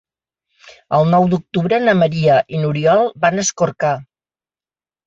El nou d'octubre na Maria i n'Oriol van a Escorca.